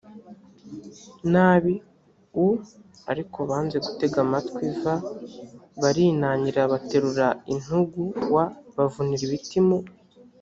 nabi u ariko banze gutega amatwi v barinangira baterura intugu w bavunira ibiti mu